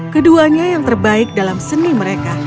keduanya yang terbaik dalam seni mereka